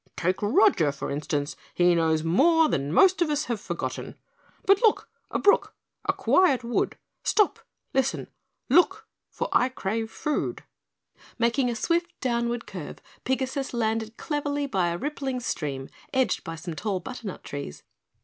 "Take Roger, for instance, he knows more than most of us have forgotten. But look! A brook, a quiet wood! Stop! Listen! Look! For I crave food!" Making a swift downward curve, Pigasus landed cleverly by a rippling stream edged by some tall butternut trees.